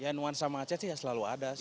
ya nuansa macet sih selalu ada sih